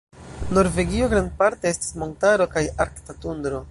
Norvegio grandparte estas montaro kaj arkta tundro.